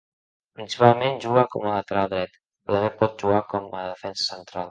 Principalment juga com a lateral dret, però també pot jugar com a defensa central.